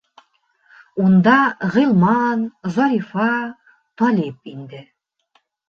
Унда Ғилман, Зарифа, Талип инде.